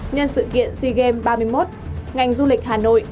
nhân sự kiện z game ba mươi một ngành du lịch hà nội